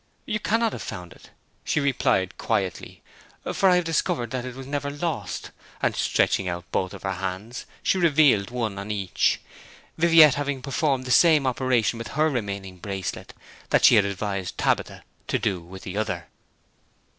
'You cannot have found it,' she replied quietly, 'for I have discovered that it was never lost,' and stretching out both her hands she revealed one on each, Viviette having performed the same operation with her remaining bracelet that she had advised Tabitha to do with the other.